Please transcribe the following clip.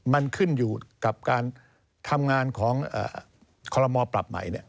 มันขึ้นอยู่กับการทำงานของคอลโมปรับใหม่